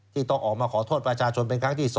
ต้องออกมาขอโทษประชาชนเป็นครั้งที่๒